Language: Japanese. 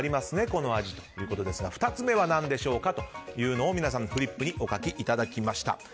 この味ということですが２つ目は何でしょうかというのを皆さん、フリップにお書きいただきました。